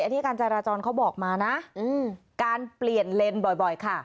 อันนี้การจราจรเขาบอกมานะการเปลี่ยนเลนส์บ่อยค่ะ